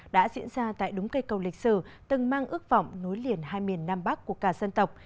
đã diễn ra tại đúng cây cầu lịch sử từng mang ước vọng nối liền hai miền nam bắc của cả dân tộc